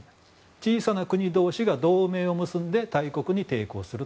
小さな国同士が同盟を作って中国に対応する。